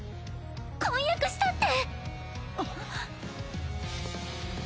婚約したって！